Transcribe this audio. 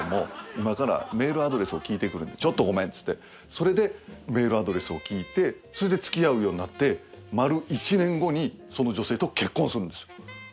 今からメールアドレスを聞いてくるんでちょっとごめんって言ってそれでメールアドレスを聞いてそれでつきあうようになって丸１年後にその女性と結婚するんです。